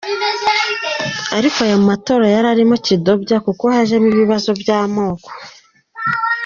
Ariko aya matora yarimo kidobya kuko hajemo ibibazo byamoko.